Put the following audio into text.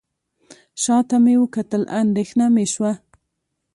شاته مې وکتل اندېښنه مې شوه.